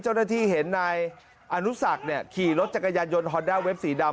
เจ้าหน้าที่เห็นนายอนุสักขี่รถจักรยานยนต์ฮอนด้าเวฟสีดำ